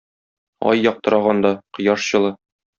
Ай яктырак анда, кояш җылы.